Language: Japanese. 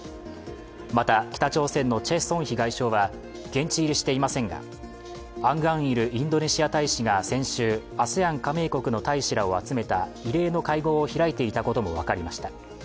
また北朝鮮のチェ・ソンヒ外相は現地入りしていませんがアン・グァン・イルインドネシア大使が、先週ＡＳＥＡＮ加盟国の大使らを集めた異例の会合を開いていたことも分かりました。